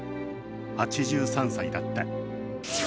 ８３歳だった。